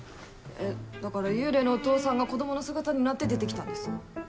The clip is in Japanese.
えっだから幽霊のお父さんが子供の姿になって出てきたんです。